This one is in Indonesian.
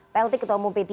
plt ketua umum p tiga